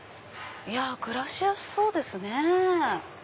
暮らしやすそうですね。